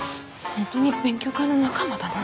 本当に勉強会の仲間。